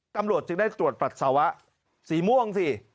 ตำรวจจึงได้ตรวจปัสสาวะสีม่วงสิ